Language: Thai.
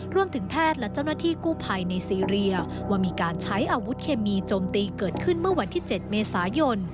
แพทย์และเจ้าหน้าที่กู้ภัยในซีเรียว่ามีการใช้อาวุธเคมีโจมตีเกิดขึ้นเมื่อวันที่๗เมษายน